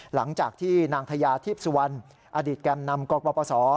หลังจากที่นางทยาทีพสุวรรณอดีตแก่นำกปศ